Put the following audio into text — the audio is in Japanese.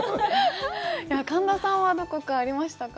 神田さんはどこかありましたか？